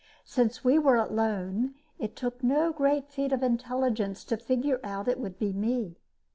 Since we were alone, it took no great feat of intelligence to figure it would be me.